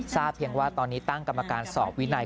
เพียงว่าตอนนี้ตั้งกรรมการสอบวินัย